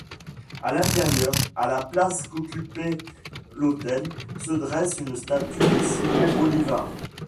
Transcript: À l'intérieur, à la place qu'occupait l'autel, se dresse une statue de Simón Bolívar.